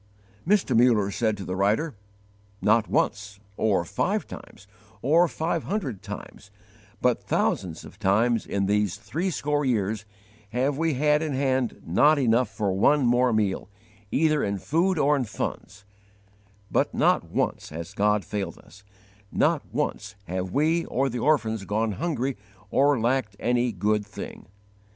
Mr. Muller said to the writer: "Not once, or five times, or five hundred times, but thousands of times in these threescore years, have we had in hand not enough for one more meal, either in food or in funds; but not once has God failed us; not once have we or the orphans gone hungry or lacked any good thing."